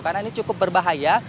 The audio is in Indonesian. karena ini cukup berbahaya